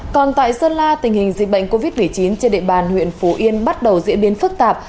còn tại sơn la tình hình dịch bệnh covid một mươi chín trên địa bàn huyện phú yên bắt đầu diễn biến phức tạp